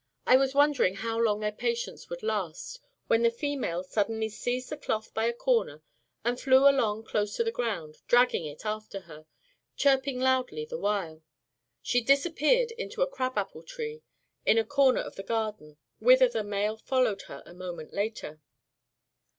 I was wondering how long their patience would last, when the female suddenly seized the cloth by a corner and flew along close to the ground, dragging it after her, chirping loudly the while. She disappeared into a crab apple tree in a corner of the garden, whither the male followed her a moment later.